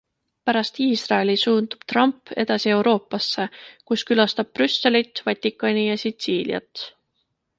Pärast Iisraeli suundub Trump edasi Euroopasse, kus külastab Brüsselit, Vatikani ja Sitsiiliat.